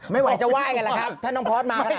ไม่ไหวจะไหว่กันค่ะ